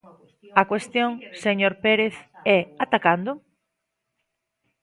A cuestión, señor Pérez, é: ¿ata cando?